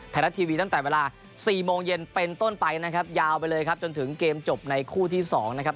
ไทยรัฐทีวีตั้งแต่เวลา๔โมงเย็นเป็นต้นไปนะครับยาวไปเลยครับจนถึงเกมจบในคู่ที่๒นะครับ